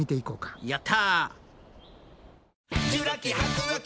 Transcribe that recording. やった。